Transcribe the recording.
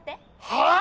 はあ！？